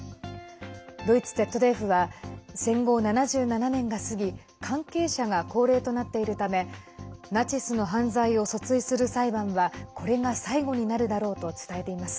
ドイツＺＤＦは戦後７７年が過ぎ関係者が高齢となっているためナチスの犯罪を訴追する裁判はこれが最後になるだろうと伝えています。